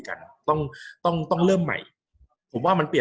กับการสตรีมเมอร์หรือการทำอะไรอย่างเงี้ย